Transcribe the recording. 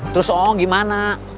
terus oh gimana